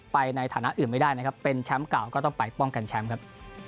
ในฐานะอื่นไม่ได้นะครับเป็นแชมป์เก่าก็ต้องไปป้องกันแชมป์ครับ